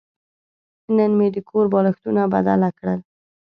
نن مې د کور بالښتونه بدله کړل.